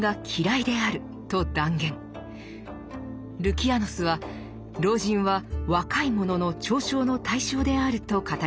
ルキアノスは「老人は『若い者の嘲笑の対象』である」と語ります。